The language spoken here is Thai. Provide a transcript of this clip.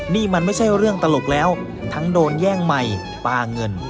นี่มันไม่ใช่เรื่องตลกแล้วทั้งโดนแย่งใหม่ปลาเงิน